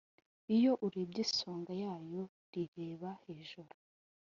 iyo urebye isonga yayo rireba hejuru,